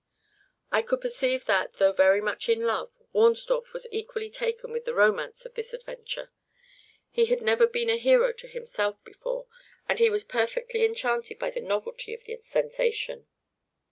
"I could perceive that, though very much in love, Wahns dorf was equally taken with the romance of this adventure. He had never been a hero to himself before, and he was perfectly enchanted by the novelty of the sensation.